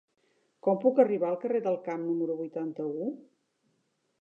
Com puc arribar al carrer del Camp número vuitanta-u?